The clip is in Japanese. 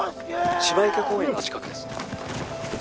芝池公園の近くです